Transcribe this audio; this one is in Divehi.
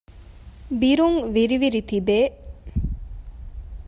ބިރުން ވިރި ވިރި ތިބޭ